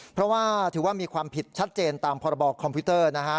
เพราะว่าถือว่ามีความผิดชัดเจนตามพรบคอมพิวเตอร์นะฮะ